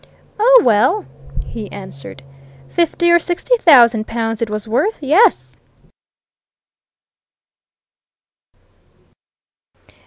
"Oh, well!" he answered. "Fifty or sixty thousand pounds it was worth yes!"